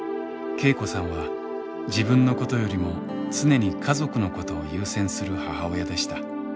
恵子さんは自分のことよりも常に家族のことを優先する母親でした。